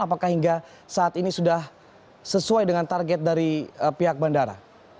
apakah hingga saat ini sudah sesuai dengan target dari pihak bandara